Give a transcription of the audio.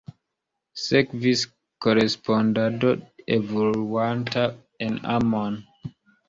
Sekvis korespondado evoluanta en amon.